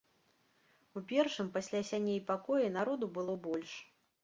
У першым пасля сяней пакоі народу было больш.